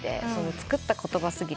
作った言葉過ぎて。